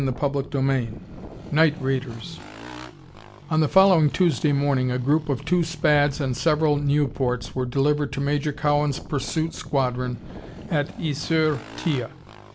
CHAPTER III Night Raiders 1 On the following Tuesday morning a group of two Spads and several Nieuports were delivered to Major Cowan's pursuit squadron at Is Sur Tille.